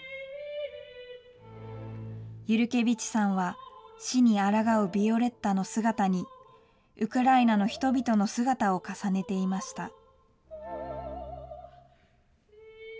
ユルケヴィチさんは死にあらがうヴィオレッタの姿に、ウクライナの人々の姿を重ねていました。